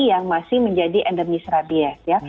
yang masih menjadi endemis rabies